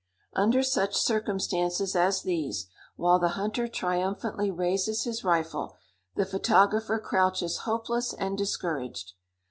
Under such circumstances as these, while the hunter triumphantly raises his rifle, the photographer crouches hopeless and discouraged.